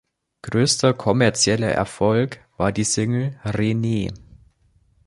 Größter kommerzieller Erfolg war die Single "Renee".